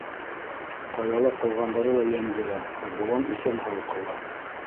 Ҡаяла ҡалғандары ла йән бирә, ә болан иҫән-һау ҡала.